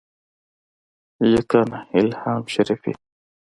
لیکنه : الهام شریفي